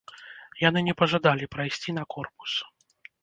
Яны не пажадалі прайсці на корпус.